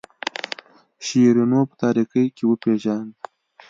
شیرینو په تاریکۍ کې وپیژاند.